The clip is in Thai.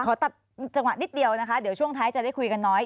ขอตัดจังหวะนิดเดียวนะคะเดี๋ยวช่วงท้ายจะได้คุยกันน้อย